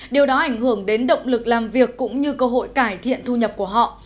điều đó ảnh hưởng đến động lực làm việc cũng như cơ hội cải thiện thu nhập của họ